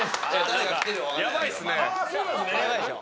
やばいっすね。